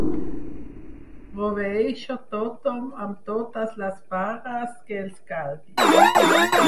Proveeixo tothom amb totes les barres que els calguin.